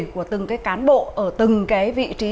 của từng cái cán bộ ở từng cái vị trí